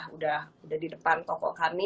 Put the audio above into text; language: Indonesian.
udah di depan toko kami